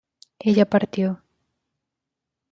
ella partió